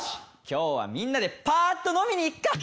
今日はみんなでパっと飲みに行くか！